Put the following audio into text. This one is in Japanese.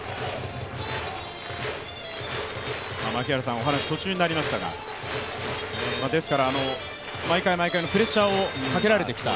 お話、途中になりましたが、毎回毎回プレッシャーをかけられてきた。